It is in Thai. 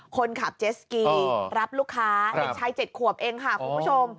คนเจ็บเจสกีรับลูกค้าเด็กชาย๗ขวบเองค่ะคุณผู้ชม